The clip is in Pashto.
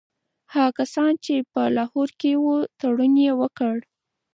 هغه کسان چي په لاهور کي وو تړون یې وکړ.